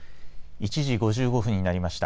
１時５５分になりました。